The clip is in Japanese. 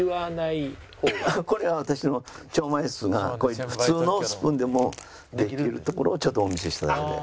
これは私の超魔術がこういった普通のスプーンでもできるところをちょっとお見せしただけで。